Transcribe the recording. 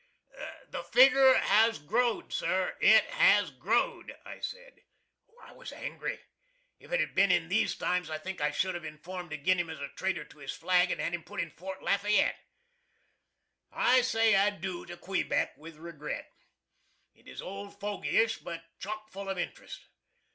"The figger has growd, sir it has growd," I said. I was angry. If it had been in these times I think I should have informed agin him as a traitor to his flag, and had him put in Fort Lafayette. I say adoo to Quebeck with regret. It is old fogyish, but chock full of interest.